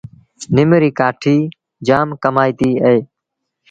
نم ريٚ ڪآٺيٚ جآم ڪمآئيٚتيٚ اهي۔